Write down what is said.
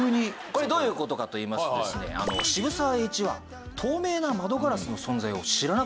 これどういう事かといいますとですね渋沢栄一は透明な窓ガラスの存在を知らなかったんです。